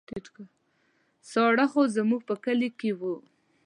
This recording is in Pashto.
ساړه خو زموږ په کلي کې وو.